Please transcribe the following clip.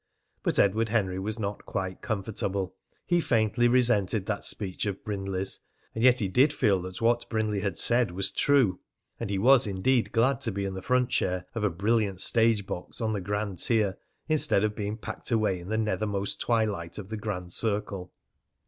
But Edward Henry was not quite comfortable. He faintly resented that speech of Brindley's. And yet he did feel that what Brindley had said was true, and he was indeed glad to be in the front chair of a brilliant stage box on the grand tier, instead of being packed away in the nethermost twilight of the Grand Circle.